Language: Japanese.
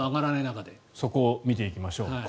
そこを見ていきましょう。